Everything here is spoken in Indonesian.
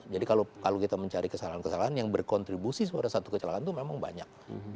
jadi kalau kita mencari kesalahan kesalahan yang berkontribusi kepada satu kecelakaan itu memang banyak